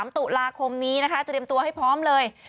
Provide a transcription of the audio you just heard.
๓ตุลาคมนี้นะคะเตรียมตัวให้พร้อมเลย